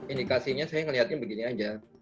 indikasinya saya melihatnya begini aja